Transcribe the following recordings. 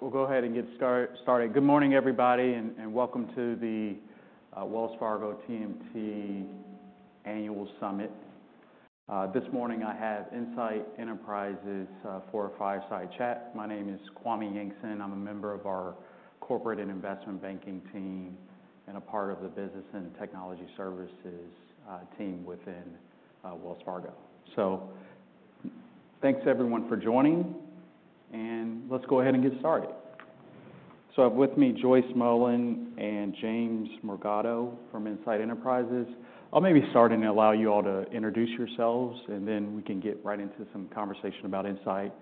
We'll go ahead and get started. Good morning, everybody, and welcome to the Wells Fargo TMT Annual Summit. This morning, I have Insight Enterprises' for or fireside chat. My name is Kwame Yankson. I'm a member of our corporate and investment banking team and a part of the business and technology services team within Wells Fargo. So thanks, everyone, for joining, and let's go ahead and get started. So I have with me Joyce Mullen and James Morgado from Insight Enterprises. I'll maybe start and allow you all to introduce yourselves, and then we can get right into some conversation about Insight,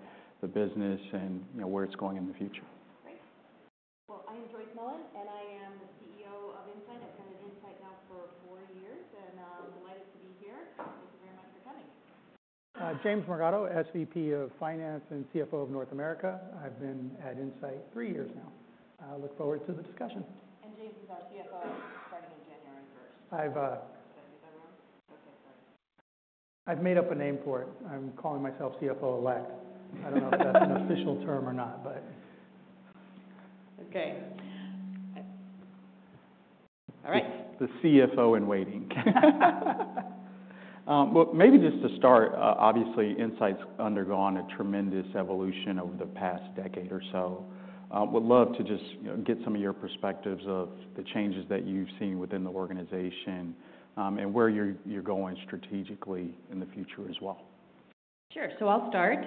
the business, and where it's going in the future. Great. Well, I am Joyce Mullen, and I am the CEO of Insight. I've been at Insight now for four years, and I'm delighted to be here. Thank you very much for coming. James Morgado, SVP of Finance and CFO of North America. I've been at Insight three years now. I look forward to the discussion. James is our CFO, starting on January 1st. I've made up a name for it. I'm calling myself CFO elect. I don't know if that's an official term or not, but. Okay. All right. The CFO in waiting. Maybe just to start, obviously, Insight's undergone a tremendous evolution over the past decade or so. Would love to just get some of your perspectives of the changes that you've seen within the organization and where you're going strategically in the future as well. Sure. So I'll start.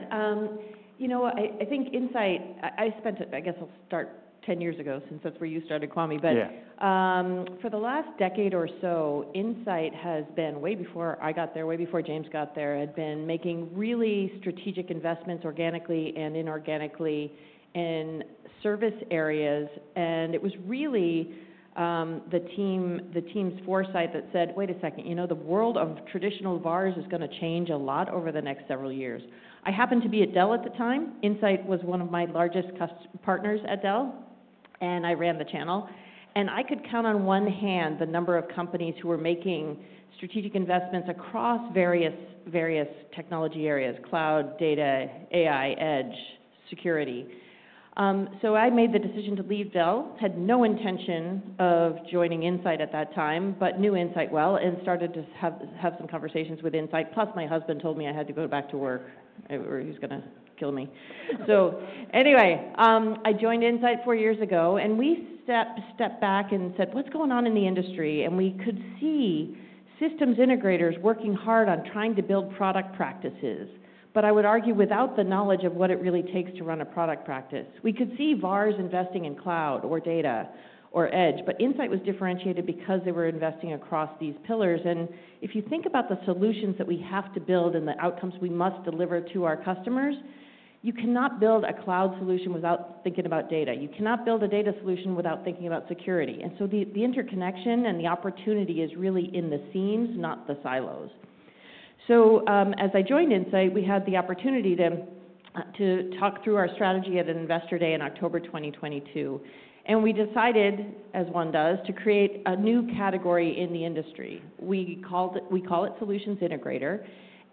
You know, I think Insight. I guess I'll start 10 years ago since that's where you started, Kwame, but for the last decade or so, Insight has been way before I got there, way before James got there, had been making really strategic investments organically and inorganically in service areas. And it was really the team's foresight that said, "Wait a second, you know, the world of traditional VARs is going to change a lot over the next several years." I happened to be at Dell at the time. Insight was one of my largest partners at Dell, and I ran the channel. And I could count on one hand the number of companies who were making strategic investments across various technology areas: cloud, data, AI, edge, security. So I made the decision to leave Dell. Had no intention of joining Insight at that time, but knew Insight well and started to have some conversations with Insight. Plus, my husband told me I had to go back to work or he was going to kill me, so anyway, I joined Insight four years ago, and we stepped back and said, "What's going on in the industry?" We could see systems integrators working hard on trying to build product practices, but I would argue without the knowledge of what it really takes to run a product practice. We could see VARs investing in cloud or data or edge, but Insight was differentiated because they were investing across these pillars, and if you think about the solutions that we have to build and the outcomes we must deliver to our customers, you cannot build a cloud solution without thinking about data. You cannot build a data solution without thinking about security. And so the interconnection and the opportunity is really in the seams, not the silos. So as I joined Insight, we had the opportunity to talk through our strategy at an Investor Day in October 2022. And we decided, as one does, to create a new category in the industry. We call it Solutions Integrator.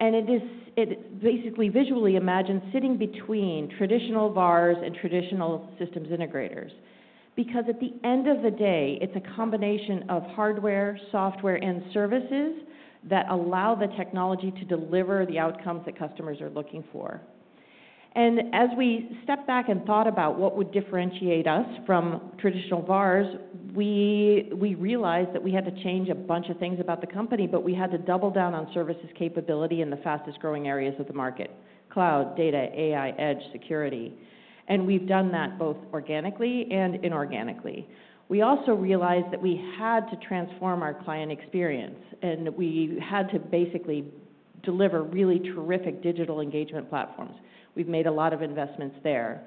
And it is basically visually imagined sitting between traditional VARs and traditional systems integrators. Because at the end of the day, it's a combination of hardware, software, and services that allow the technology to deliver the outcomes that customers are looking for. And as we stepped back and thought about what would differentiate us from traditional VARs, we realized that we had to change a bunch of things about the company, but we had to double down on services capability in the fastest growing areas of the market: cloud, data, AI, edge, security. And we've done that both organically and inorganically. We also realized that we had to transform our client experience, and we had to basically deliver really terrific digital engagement platforms. We've made a lot of investments there.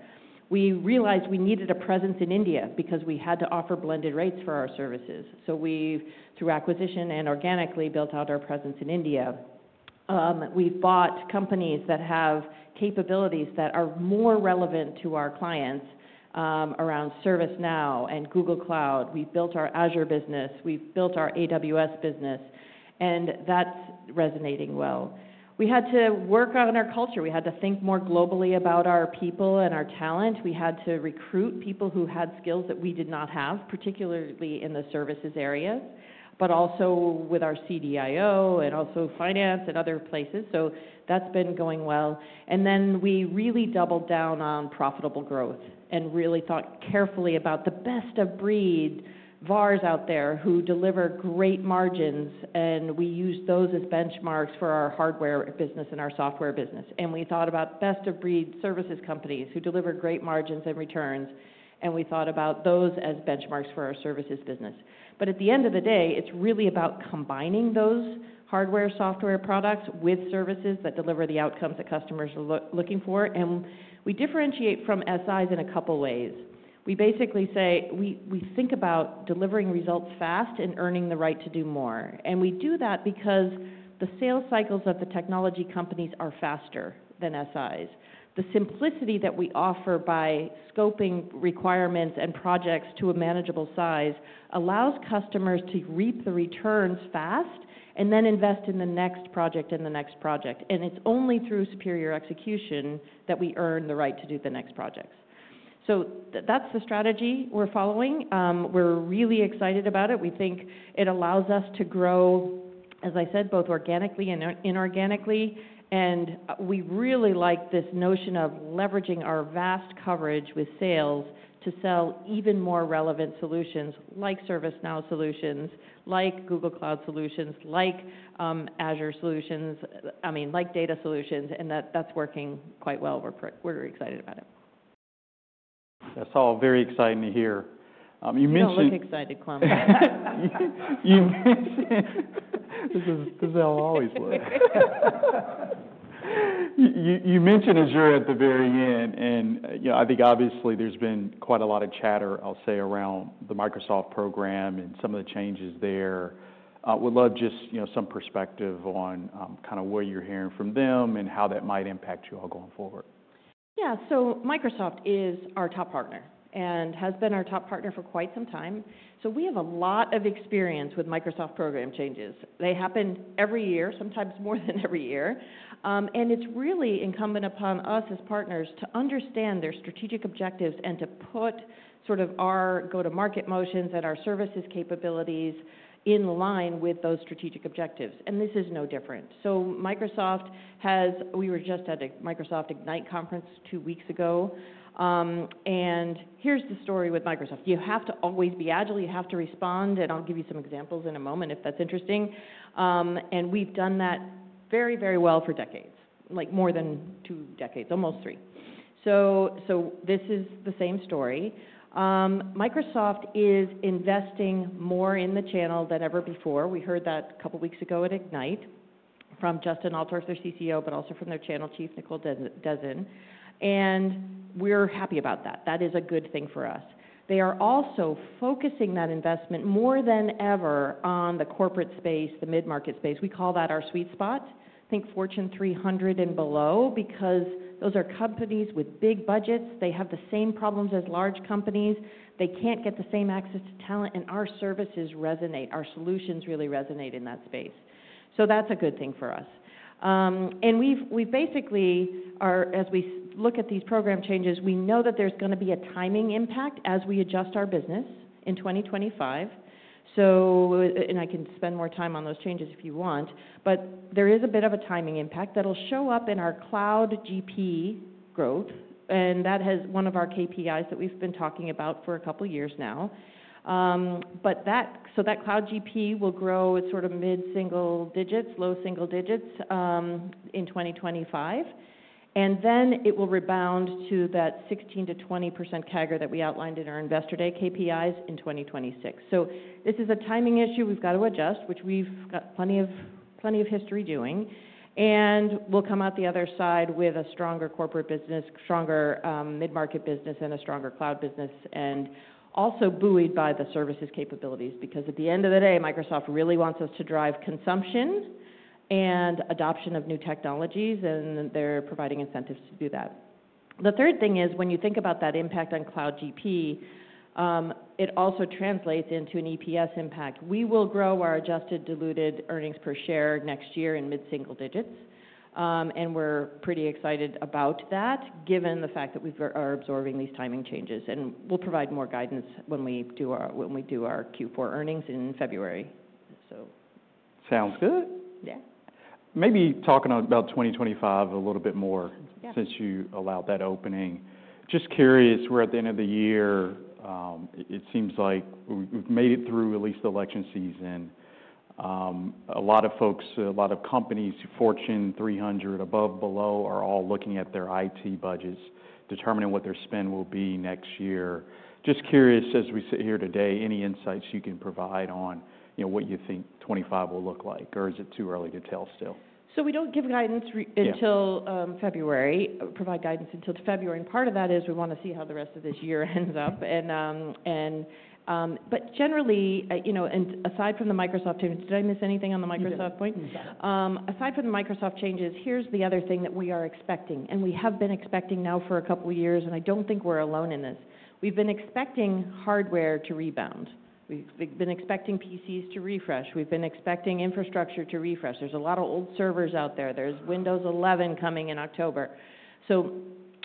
We realized we needed a presence in India because we had to offer blended rates for our services. So we, through acquisition and organically, built out our presence in India. We've bought companies that have capabilities that are more relevant to our clients around ServiceNow and Google Cloud. We've built our Azure business. We've built our AWS business, and that's resonating well. We had to work on our culture. We had to think more globally about our people and our talent. We had to recruit people who had skills that we did not have, particularly in the services areas, but also with our CDIO and also finance and other places. So that's been going well. And then we really doubled down on profitable growth and really thought carefully about the best of breed VARs out there who deliver great margins, and we used those as benchmarks for our hardware business and our software business. And we thought about best of breed services companies who deliver great margins and returns, and we thought about those as benchmarks for our services business. But at the end of the day, it's really about combining those hardware and software products with services that deliver the outcomes that customers are looking for. And we differentiate from SIs in a couple of ways. We basically say we think about delivering results fast and earning the right to do more. And we do that because the sales cycles of the technology companies are faster than SIs. The simplicity that we offer by scoping requirements and projects to a manageable size allows customers to reap the returns fast and then invest in the next project and the next project. And it's only through superior execution that we earn the right to do the next projects. So that's the strategy we're following. We're really excited about it. We think it allows us to grow, as I said, both organically and inorganically. And we really like this notion of leveraging our vast coverage with sales to sell even more relevant solutions like ServiceNow solutions, like Google Cloud solutions, like Azure solutions, I mean, like data solutions. That's working quite well. We're excited about it. That's all very exciting to hear. You mentioned. You look excited, Kwame. This is how I always look. You mentioned Azure at the very end, and I think obviously there's been quite a lot of chatter, I'll say, around the Microsoft program and some of the changes there. Would love just some perspective on kind of what you're hearing from them and how that might impact you all going forward? Yeah. So Microsoft is our top partner and has been our top partner for quite some time. So we have a lot of experience with Microsoft program changes. They happen every year, sometimes more than every year. And it's really incumbent upon us as partners to understand their strategic objectives and to put sort of our go-to-market motions and our services capabilities in line with those strategic objectives. And this is no different. So Microsoft has; we were just at a Microsoft Ignite conference two weeks ago. And here's the story with Microsoft. You have to always be agile. You have to respond. And I'll give you some examples in a moment if that's interesting. And we've done that very, very well for decades, like more than two decades, almost three. So this is the same story. Microsoft is investing more in the channel than ever before. We heard that a couple of weeks ago at Ignite from Judson Althoff, their CCO, but also from their channel chief, Nicole Dezen. We're happy about that. That is a good thing for us. They are also focusing that investment more than ever on the corporate space, the mid-market space. We call that our sweet spot, I think Fortune 300 and below, because those are companies with big budgets. They have the same problems as large companies. They can't get the same access to talent. Our services resonate. Our solutions really resonate in that space. That's a good thing for us. We basically are, as we look at these program changes, we know that there's going to be a timing impact as we adjust our business in 2025. I can spend more time on those changes if you want, but there is a bit of a timing impact that'll show up in our Cloud GP growth. And that has one of our KPIs that we've been talking about for a couple of years now. So that Cloud GP will grow at sort of mid-single digits, low single digits in 2025. And then it will rebound to that 16%-20% CAGR that we outlined in our Investor Day KPIs in 2026. So this is a timing issue we've got to adjust, which we've got plenty of history doing. And we'll come out the other side with a stronger corporate business, stronger mid-market business, and a stronger cloud business, and also buoyed by the services capabilities. Because at the end of the day, Microsoft really wants us to drive consumption and adoption of new technologies, and they're providing incentives to do that. The third thing is when you think about that impact on Cloud GP, it also translates into an EPS impact. We will grow our adjusted diluted earnings per share next year in mid-single digits. And we're pretty excited about that given the fact that we are absorbing these timing changes. And we'll provide more guidance when we do our Q4 earnings in February. Sounds good. Yeah. Maybe talking about 2025 a little bit more since you allowed that opening. Just curious, we're at the end of the year. It seems like we've made it through at least the election season. A lot of folks, a lot of companies, Fortune 300, above, below, are all looking at their IT budgets, determining what their spend will be next year. Just curious, as we sit here today, any insights you can provide on what you think 2025 will look like, or is it too early to tell still? We don't give guidance until February. Part of that is we want to see how the rest of this year ends up. Generally, aside from the Microsoft changes, did I miss anything on the Microsoft point? Aside from the Microsoft changes, here's the other thing that we are expecting, and we have been expecting now for a couple of years, and I don't think we're alone in this. We've been expecting hardware to rebound. We've been expecting PCs to refresh. We've been expecting infrastructure to refresh. There's a lot of old servers out there. There's Windows 11 coming in October.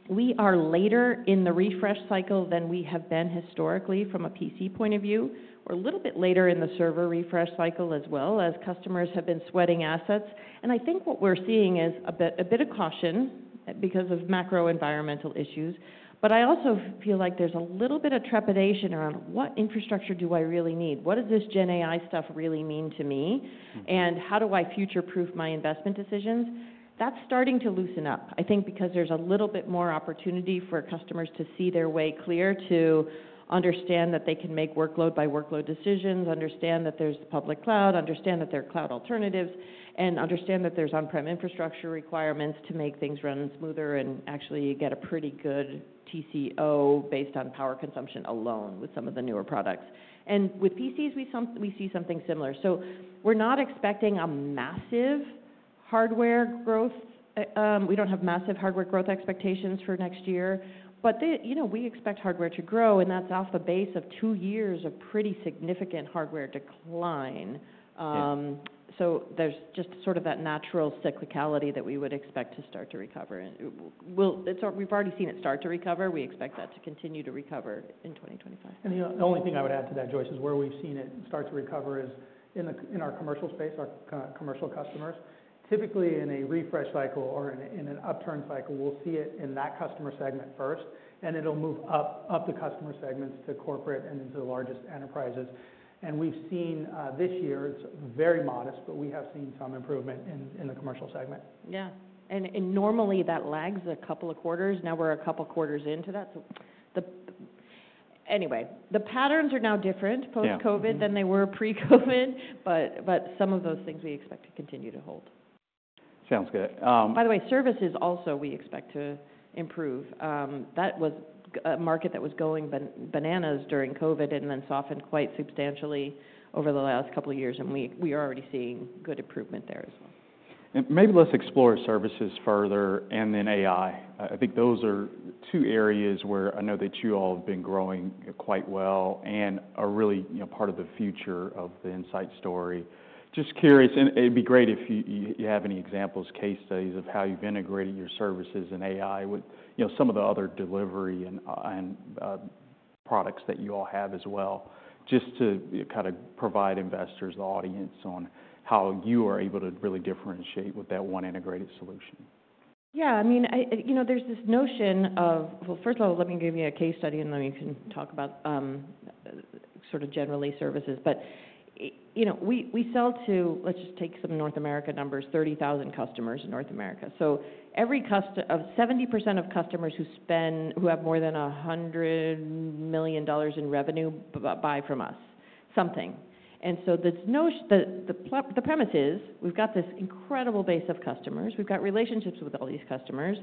We are later in the refresh cycle than we have been historically from a PC point of view. We're a little bit later in the server refresh cycle as well as customers have been sweating assets. I think what we're seeing is a bit of caution because of macro-environmental issues. But I also feel like there's a little bit of trepidation around what infrastructure do I really need? What does this GenAI stuff really mean to me, and how do I future-proof my investment decisions? That's starting to loosen up, I think, because there's a little bit more opportunity for customers to see their way clear, to understand that they can make workload-by-workload decisions, understand that there's the public cloud, understand that there are cloud alternatives, and understand that there's on-prem infrastructure requirements to make things run smoother and actually get a pretty good TCO based on power consumption alone with some of the newer products. And with PCs, we see something similar. So we're not expecting a massive hardware growth. We don't have massive hardware growth expectations for next year, but we expect hardware to grow, and that's off the base of two years of pretty significant hardware decline, so there's just sort of that natural cyclicality that we would expect to start to recover. We've already seen it start to recover. We expect that to continue to recover in 2025. And the only thing I would add to that, Joyce, is where we've seen it start to recover is in our commercial space, our commercial customers. Typically, in a refresh cycle or in an upturn cycle, we'll see it in that customer segment first, and it'll move up the customer segments to corporate and into the largest enterprises. And we've seen this year; it's very modest, but we have seen some improvement in the commercial segment. Yeah, and normally that lags a couple of quarters. Now we're a couple of quarters into that. Anyway, the patterns are now different post-COVID than they were pre-COVID, but some of those things we expect to continue to hold. Sounds good. By the way, services also we expect to improve. That was a market that was going bananas during COVID and then softened quite substantially over the last couple of years. And we are already seeing good improvement there as well. And maybe let's explore services further and then AI. I think those are two areas where I know that you all have been growing quite well and are really part of the future of the Insight story. Just curious, and it'd be great if you have any examples, case studies of how you've integrated your services and AI with some of the other delivery and products that you all have as well, just to kind of provide investors, the audience, on how you are able to really differentiate with that one integrated solution. Yeah. I mean, there's this notion of, well, first of all, let me give you a case study, and then we can talk about sort of generally services. But we sell to, let's just take some North America numbers, 30,000 customers in North America. So every customer, 70% of customers who have more than $100 million in revenue buy from us something. And so the premise is we've got this incredible base of customers. We've got relationships with all these customers.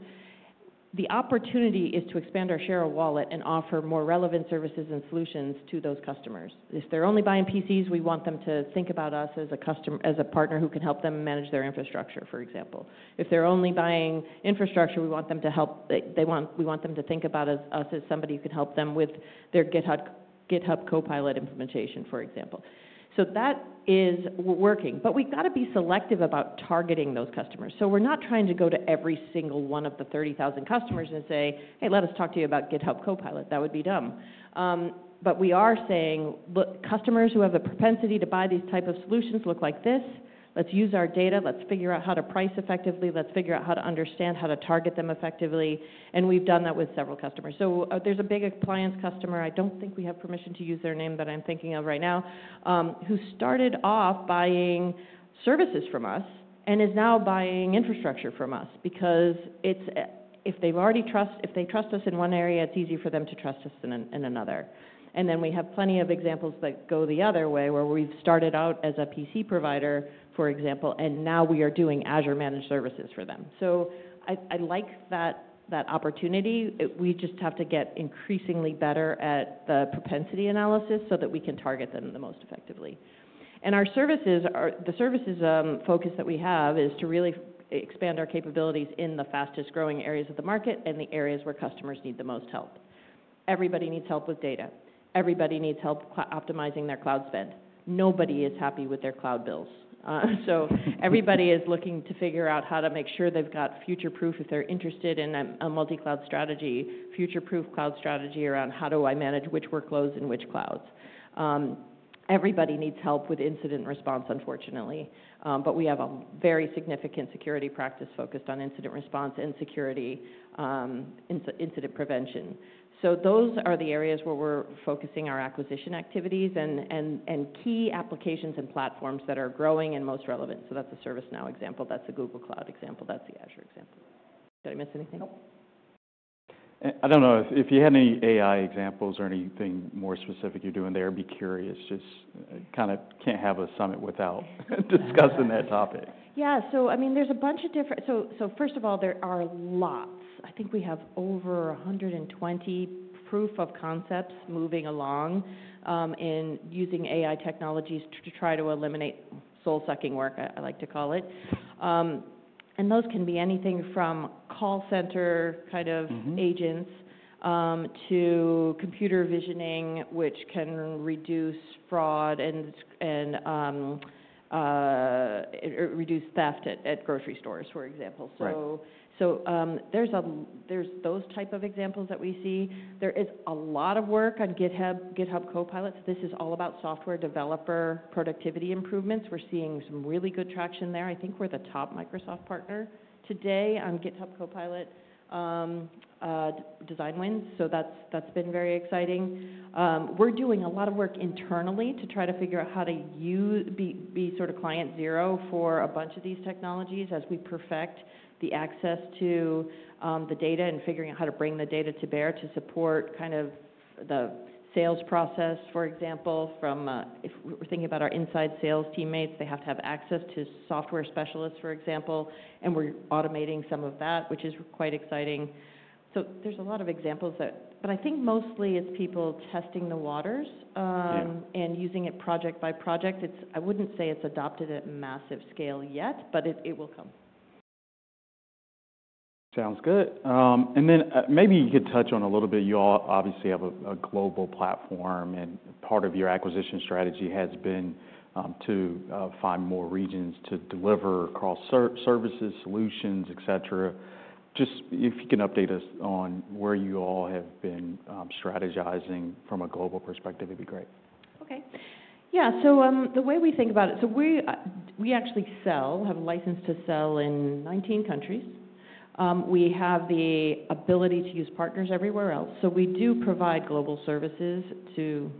The opportunity is to expand our share of wallet and offer more relevant services and solutions to those customers. If they're only buying PCs, we want them to think about us as a partner who can help them manage their infrastructure, for example. If they're only buying infrastructure, we want them to help. We want them to think about us as somebody who can help them with their GitHub Copilot implementation, for example, so that is working, but we've got to be selective about targeting those customers, so we're not trying to go to every single one of the 30,000 customers and say, "Hey, let us talk to you about GitHub Copilot." That would be dumb, but we are saying, "Look, customers who have a propensity to buy these types of solutions look like this. Let's use our data. Let's figure out how to price effectively. Let's figure out how to understand how to target them effectively," and we've done that with several customers, so there's a big appliance customer. I don't think we have permission to use their name, but I'm thinking of right now who started off buying services from us and is now buying infrastructure from us because if they trust us in one area, it's easy for them to trust us in another, and then we have plenty of examples that go the other way where we've started out as a PC provider, for example, and now we are doing Azure Managed Services for them, so I like that opportunity. We just have to get increasingly better at the propensity analysis so that we can target them the most effectively, and the services focus that we have is to really expand our capabilities in the fastest growing areas of the market and the areas where customers need the most help. Everybody needs help with data. Everybody needs help optimizing their cloud spend. Nobody is happy with their cloud bills. So everybody is looking to figure out how to make sure they've got future-proof, if they're interested in a multi-cloud strategy, future-proof cloud strategy around how do I manage which workloads and which clouds. Everybody needs help with incident response, unfortunately. But we have a very significant security practice focused on incident response and security, incident prevention. So those are the areas where we're focusing our acquisition activities and key applications and platforms that are growing and most relevant. So that's a ServiceNow example. That's a Google Cloud example. That's the Azure example. Did I miss anything? I don't know. If you had any AI examples or anything more specific you're doing there, I'd be curious. Just kind of can't have a summit without discussing that topic. Yeah. So I mean, there's a bunch of different, so first of all, there are lots. I think we have over 120 proof of concepts moving along and using AI technologies to try to eliminate soul-sucking work, I like to call it. And those can be anything from call center kind of agents to computer vision, which can reduce fraud and reduce theft at grocery stores, for example. So there's those types of examples that we see. There is a lot of work on GitHub Copilot. This is all about software developer productivity improvements. We're seeing some really good traction there. I think we're the top Microsoft partner today on GitHub Copilot design wins. So that's been very exciting. We're doing a lot of work internally to try to figure out how to be sort of client zero for a bunch of these technologies as we perfect the access to the data and figuring out how to bring the data to bear to support kind of the sales process, for example. If we're thinking about our inside sales teammates, they have to have access to software specialists, for example. And we're automating some of that, which is quite exciting, so there's a lot of examples, but I think mostly it's people testing the waters and using it project by project. I wouldn't say it's adopted at massive scale yet, but it will come. Sounds good. And then maybe you could touch on a little bit. You all obviously have a global platform, and part of your acquisition strategy has been to find more regions to deliver across services, solutions, et cetera. Just if you can update us on where you all have been strategizing from a global perspective, it'd be great. Okay. Yeah. So the way we think about it, so we actually sell, have a license to sell in 19 countries. We have the ability to use partners everywhere else. So we do provide global services to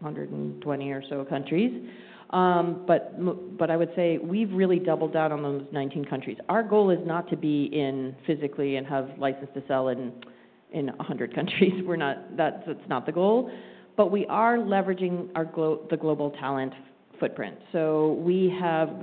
120 or so countries. But I would say we've really doubled down on those 19 countries. Our goal is not to be physically and have license to sell in 100 countries. That's not the goal. But we are leveraging the global talent footprint. So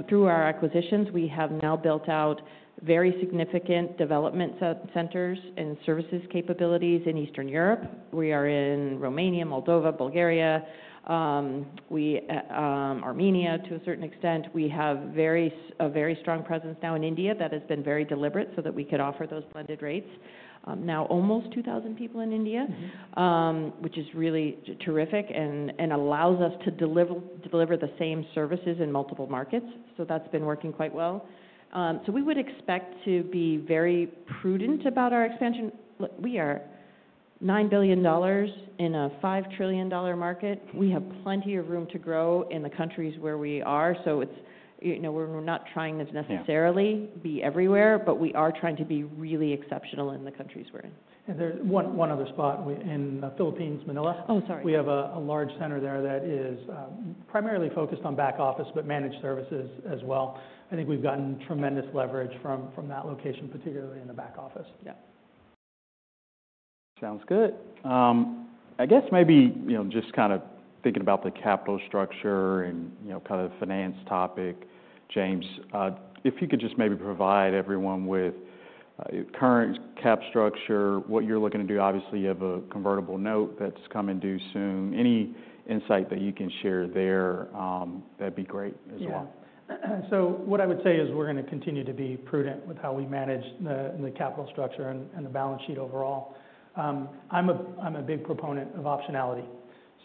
through our acquisitions, we have now built out very significant development centers and services capabilities in Eastern Europe. We are in Romania, Moldova, Bulgaria, Armenia to a certain extent. We have a very strong presence now in India that has been very deliberate so that we could offer those blended rates. Now almost 2,000 people in India, which is really terrific and allows us to deliver the same services in multiple markets. So that's been working quite well. So we would expect to be very prudent about our expansion. We are $9 billion in a $5 trillion market. We have plenty of room to grow in the countries where we are. So we're not trying to necessarily be everywhere, but we are trying to be really exceptional in the countries we're in. There's one other spot in the Philippines, Manila. Oh, sorry. We have a large center there that is primarily focused on back office, but managed services as well. I think we've gotten tremendous leverage from that location, particularly in the back office. Yeah. Sounds good. I guess maybe just kind of thinking about the capital structure and kind of finance topic, James, if you could just maybe provide everyone with current cap structure, what you're looking to do. Obviously, you have a convertible note that's coming due soon. Any insight that you can share there, that'd be great as well. Yeah. So what I would say is we're going to continue to be prudent with how we manage the capital structure and the balance sheet overall. I'm a big proponent of optionality.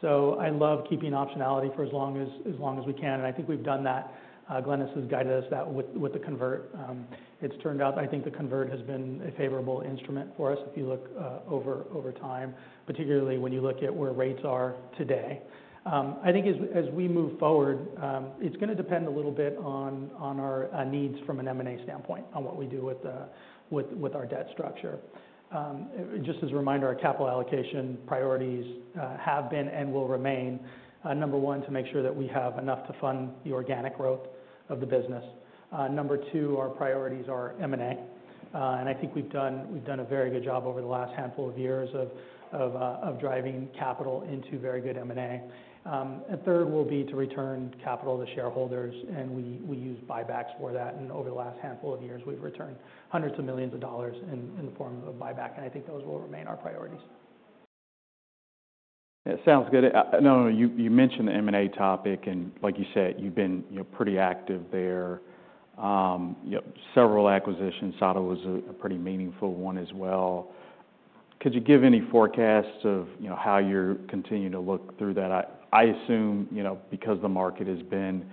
So I love keeping optionality for as long as we can. And I think we've done that. Glynis has guided us with the convert. It's turned out, I think the convert has been a favorable instrument for us if you look over time, particularly when you look at where rates are today. I think as we move forward, it's going to depend a little bit on our needs from an M&A standpoint on what we do with our debt structure. Just as a reminder, our capital allocation priorities have been and will remain. Number one, to make sure that we have enough to fund the organic growth of the business. Number two, our priorities are M&A. I think we've done a very good job over the last handful of years of driving capital into very good M&A. Third will be to return capital to shareholders. We use buybacks for that. Over the last handful of years, we've returned hundreds millions of dollars in the form of buyback. I think those will remain our priorities. That sounds good. No, no, no. You mentioned the M&A topic. And like you said, you've been pretty active there. Several acquisitions. SADA was a pretty meaningful one as well. Could you give any forecasts of how you're continuing to look through that? I assume because the market has been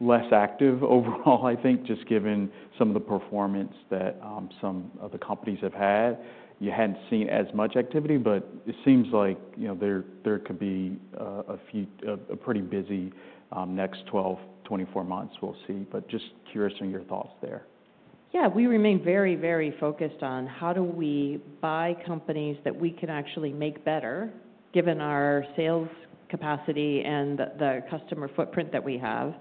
less active overall, I think, just given some of the performance that some of the companies have had, you hadn't seen as much activity. But it seems like there could be a pretty busy next 12-24 months. We'll see. But just curious on your thoughts there. Yeah. We remain very, very focused on how do we buy companies that we can actually make better given our sales capacity and the customer footprint that we have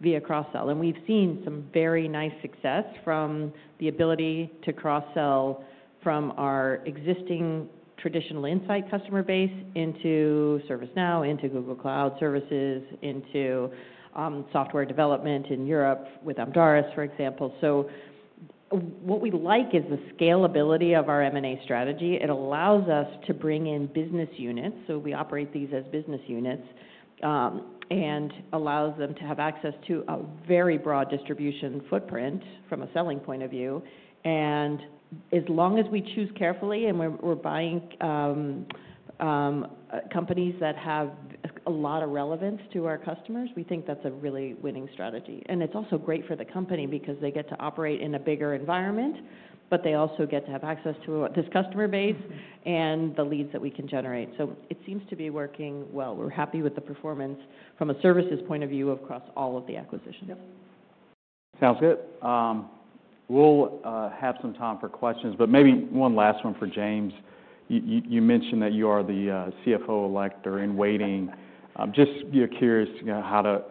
via cross-sell. And we've seen some very nice success from the ability to cross-sell from our existing traditional Insight customer base into ServiceNow, into Google Cloud Services, into software development in Europe with Amdaris, for example. So what we like is the scalability of our M&A strategy. It allows us to bring in business units. So we operate these as business units and allows them to have access to a very broad distribution footprint from a selling point of view. And as long as we choose carefully and we're buying companies that have a lot of relevance to our customers, we think that's a really winning strategy. It's also great for the company because they get to operate in a bigger environment, but they also get to have access to this customer base and the leads that we can generate. So it seems to be working well. We're happy with the performance from a services point of view across all of the acquisitions. Yep. Sounds good. We'll have some time for questions. But maybe one last one for James. You mentioned that you are the CFO-elect in waiting. Just curious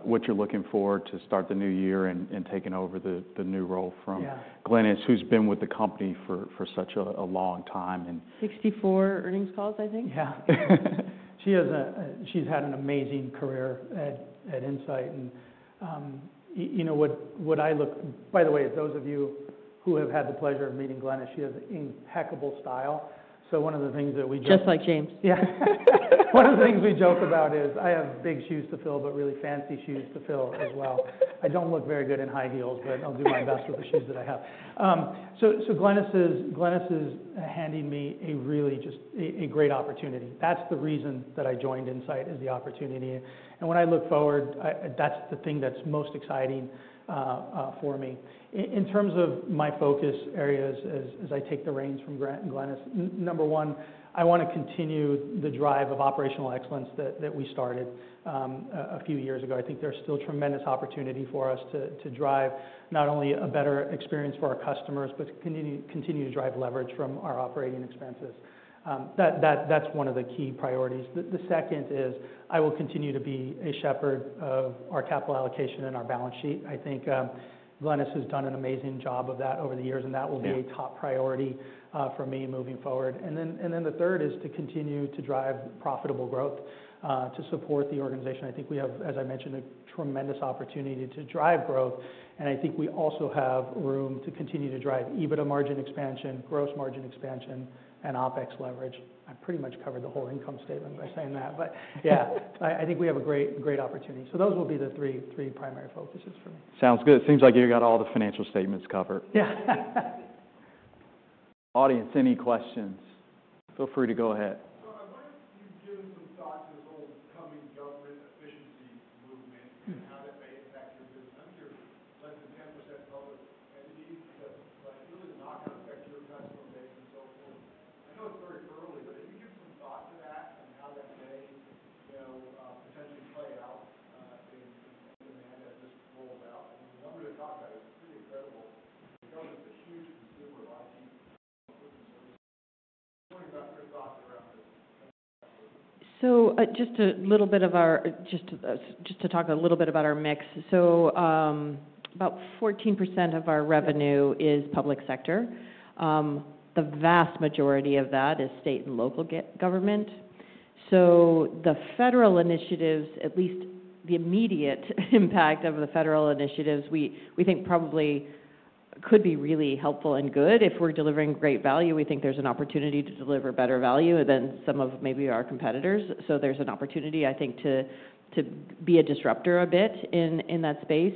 what you're looking for to start the new year and taking over the new role from Glynis, who's been with the company for such a long time and. 64 earnings calls, I think. Yeah. She's had an amazing career at Insight. And you know what I love, by the way, those of you who have had the pleasure of meeting Glynis, she has impeccable style. So one of the things that we joke. Just like James. Yeah. One of the things we joke about is I have big shoes to fill, but really fancy shoes to fill as well. I don't look very good in high heels, but I'll do my best with the shoes that I have. So Glynis is handing me a really just a great opportunity. That's the reason that I joined Insight is the opportunity. And when I look forward, that's the thing that's most exciting for me. In terms of my focus areas as I take the reins from Glynis, number one, I want to continue the drive of operational excellence that we started a few years ago. I think there's still tremendous opportunity for us to drive not only a better experience for our customers, but continue to drive leverage from our operating expenses. That's one of the key priorities. The second is I will continue to be a shepherd of our capital allocation and our balance sheet. I think Glynis has done an amazing job of that over the years, and that will be a top priority for me moving forward, and then the third is to continue to drive profitable growth to support the organization. I think we have, as I mentioned, a tremendous opportunity to drive growth, and I think we also have room to continue to drive EBITDA margin expansion, gross margin expansion, and OpEx leverage. I pretty much covered the whole income statement by saying that, but yeah, I think we have a great opportunity, so those will be the three primary focuses for me. Sounds good. It seems like you got all the financial statements covered. Yeah. Audience, any questions? Feel free to go ahead. could be really helpful and good. If we're delivering great value, we think there's an opportunity to deliver better value than some of maybe our competitors. So, there's an opportunity, I think, to be a disruptor a bit in that space.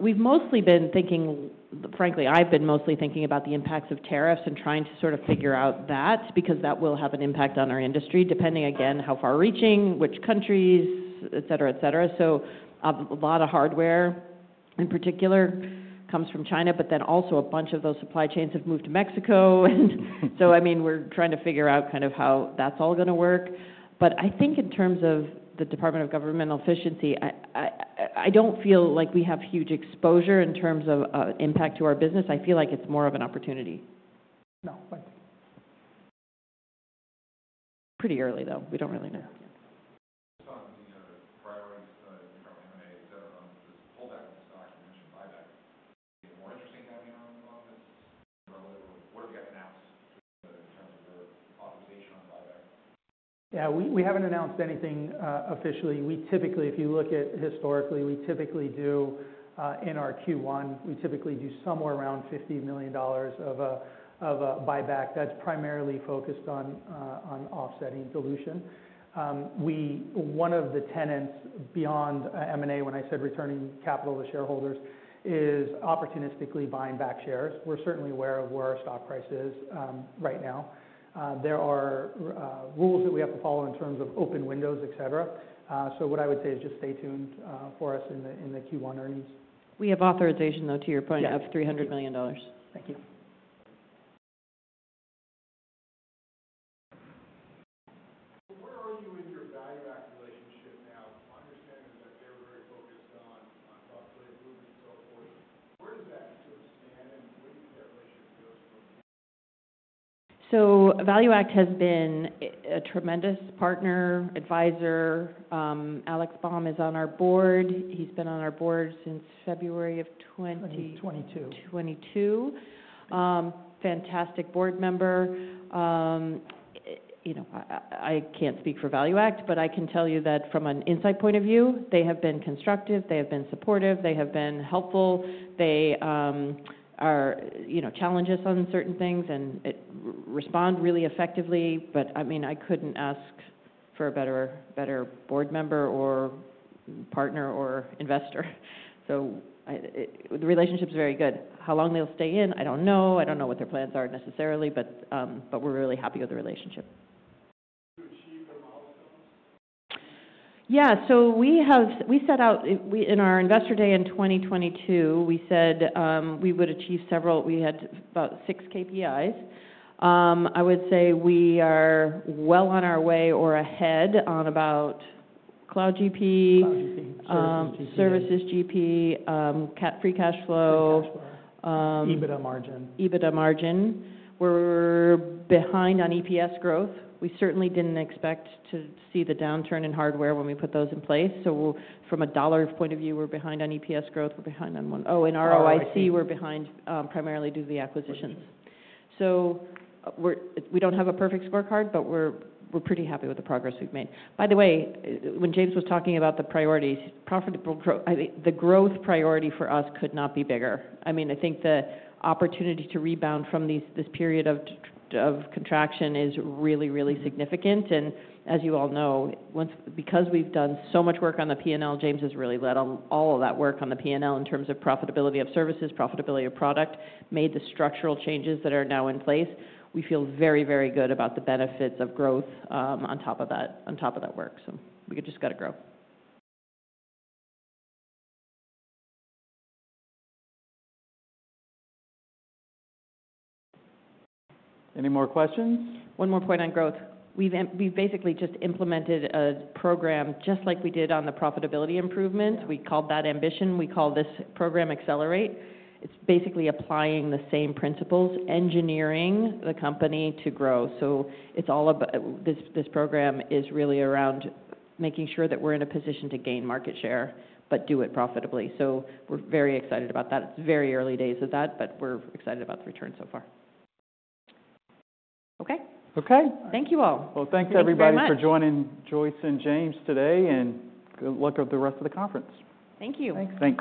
We've mostly been thinking, frankly. I've been mostly thinking about the impacts of tariffs and trying to sort of figure out that because that will have an impact on our industry, depending again how far-reaching, which countries, et cetera, et cetera. So a lot of hardware in particular comes from China, but then also a bunch of those supply chains have moved to Mexico. And so I mean, we're trying to figure out kind of how that's all going to work. But I think in terms of the Department of Government Efficiency, I don't feel like we have huge exposure in terms of impact to our business. I feel like it's more of an opportunity. Pretty early though. We don't really know. Just talking to the priorities from M&A, et cetera, this pullback in stock, you mentioned buyback. Is it more interesting coming on this? What have you got announced in terms of your authorization on buyback? Yeah. We haven't announced anything officially. We typically, if you look at historically, we typically do in our Q1, we typically do somewhere around $50 million of a buyback that's primarily focused on offsetting dilution. One of the tenets beyond M&A, when I said returning capital to shareholders, is opportunistically buying back shares. We're certainly aware of where our stock price is right now. There are rules that we have to follow in terms of open windows, et cetera. So what I would say is just stay tuned for us in the Q1 earnings. We have authorization, though, to your point, of $300 million. Thank you. Where are you in your ValueAct relationship now? My understanding is that they're very focused on stock-related movement and so forth. Where does that sort of stand and where do you think that relationship goes from? So ValueAct has been a tremendous partner, advisor. Alex Baum is on our board. He's been on our board since February of 2022. Fantastic board member. I can't speak for ValueAct, but I can tell you that from an Insight point of view, they have been constructive. They have been supportive. They have been helpful. They challenge us on certain things and respond really effectively. But I mean, I couldn't ask for a better board member or partner or investor. So the relationship's very good. How long they'll stay in, I don't know. I don't know what their plans are necessarily, but we're really happy with the relationship. Did you achieve the milestones? Yeah. So we set out in our Investor Day in 2022. We said we would achieve several. We had about six KPIs. I would say we are well on our way or ahead on about Cloud GP, Services GP, free cash flow. EBITDA margin. EBITDA margin. We're behind on EPS growth. We certainly didn't expect to see the downturn in hardware when we put those in place. So from a dollar point of view, we're behind on EPS growth. We're behind on one. Oh, and ROIC, we're behind primarily due to the acquisitions. So we don't have a perfect scorecard, but we're pretty happy with the progress we've made. By the way, when James was talking about the priorities, the growth priority for us could not be bigger. I mean, I think the opportunity to rebound from this period of contraction is really, really significant, and as you all know, because we've done so much work on the P&L, James has really led all of that work on the P&L in terms of profitability of services, profitability of product, made the structural changes that are now in place. We feel very, very good about the benefits of growth on top of that work. So we just got to grow. Any more questions? One more point on growth. We've basically just implemented a program just like we did on the profitability improvement. We called that Ambition. We call this program Accelerate. It's basically applying the same principles, engineering the company to grow. So this program is really around making sure that we're in a position to gain market share, but do it profitably. So we're very excited about that. It's very early days of that, but we're excited about the return so far. Okay. Okay. Thank you all. Thanks everybody for joining Joyce and James today. Good luck with the rest of the conference. Thank you. Thanks.